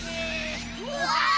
うわ！